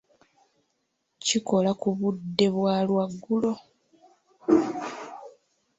Kikola ku budde bwa lwaggulo.